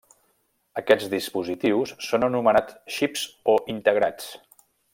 Aquests dispositius són anomenats xips, o integrats.